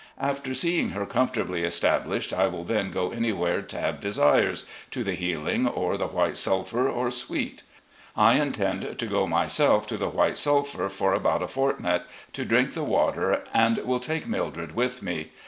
After seeing her comfortably established, I will then go anywhere Tabb desires — ^to the Healing or the White Sulphur or Sweet. I intend to go myself to the White Sulphur for about a fortnight, to drink the water, and will take Mildred with me.